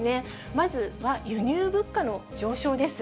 まずは輸入物価の上昇です。